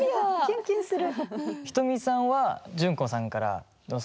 キュンキュンする。